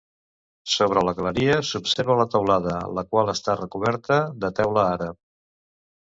Sobre la galeria s'observa la teulada, la qual està recoberta de teula àrab.